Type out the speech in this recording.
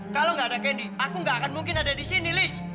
kalau nggak ada candy aku gak akan mungkin ada di sini list